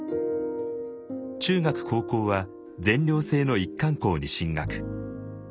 中学・高校は全寮制の一貫校に進学。